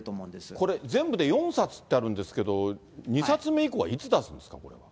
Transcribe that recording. これ、全部で４冊ってあるんですけど、２冊目以降はいつ出すんですか？